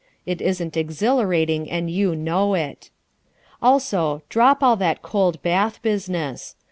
It isn't exhilarating, and you know it. Also, drop all that cold bath business.